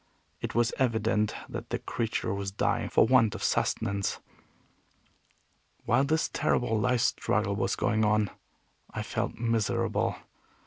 It was evident that the creature was dying for want of sustenance. While this terrible life struggle was going on, I felt miserable.